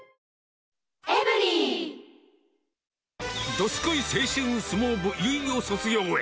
どすこい青春相撲部、いよいよ卒業へ。